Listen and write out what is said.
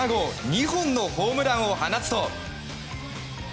２本のホームランを放つと。